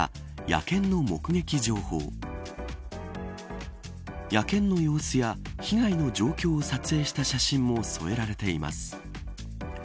野犬の様子や被害の状況を撮影した写真も添えられています。